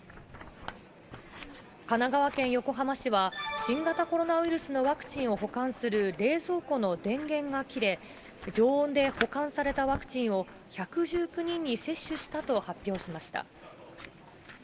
神奈川県横浜市は新型コロナウイルスのワクチンを保管する冷蔵庫の電源が切れ、常温で保管されたワクチンを、１１９人に接種したと発表しました。